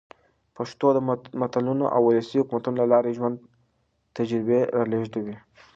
پښتو د متلونو او ولسي حکمتونو له لاري د ژوند تجربې را لېږدوي.